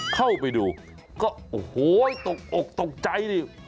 เข้าไปดูก็โอ้โหตกอกตกใจนี่